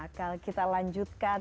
dan akal kita lanjutkan